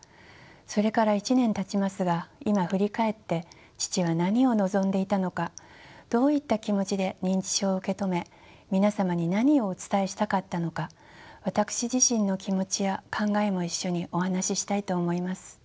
それから１年たちますが今振り返って父は何を望んでいたのかどういった気持ちで認知症を受け止め皆様に何をお伝えしたかったのか私自身の気持ちや考えも一緒にお話ししたいと思います。